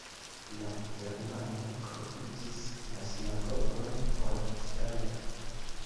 La germanoj profitis la sinagogon por stalo.